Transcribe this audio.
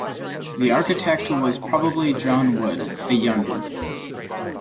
The architect was probably John Wood, the Younger.